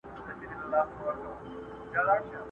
اې په خوب ویده ماشومه!؟٫